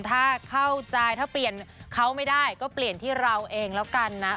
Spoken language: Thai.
ถ้าเข้าใจถ้าเปลี่ยนเขาไม่ได้ก็เปลี่ยนที่เราเองแล้วกันนะ